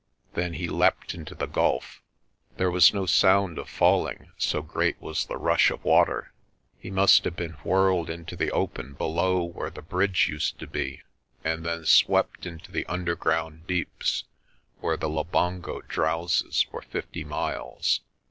Then he leapt into the gulf. There was no sound of fall ing, so great was the rush of water. He must have been whirled into the open below where the bridge used to be, and then swept into the underground deeps, where the Labongo drowses for fifty miles.